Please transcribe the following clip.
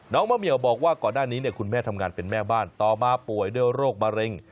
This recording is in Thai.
มะเหี่ยวบอกว่าก่อนหน้านี้คุณแม่ทำงานเป็นแม่บ้านต่อมาป่วยด้วยโรคมะเร็ง